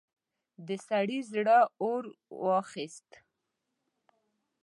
د سړي زړه اور واخيست.